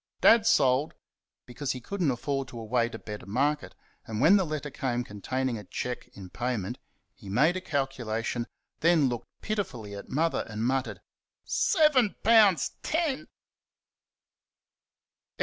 Dad sold because he could n't afford to await a better market; and when the letter came containing a cheque in payment, he made a calculation, then looked pitifully at Mother, and muttered "SEVEN POUN'S TEN!"